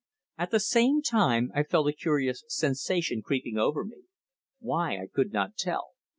At the same time I felt a curious sensation creeping over me. Why I could not tell.